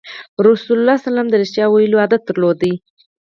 رسول الله ﷺ د رښتیا ویلو عادت درلود.